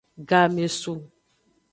Game su.